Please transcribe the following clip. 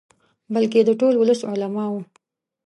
بلکې د ټول ولس، علماؤ.